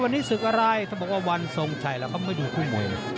วันนี้ศึกอะไรถ้าบอกว่าวันทรงชัยแล้วเขาไม่ดูผู้มวยเลย